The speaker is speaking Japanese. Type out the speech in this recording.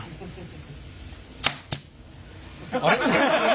あれ？